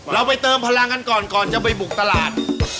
เราไปเติมพลังกันก่อนก่อนจะไปบุกตลาด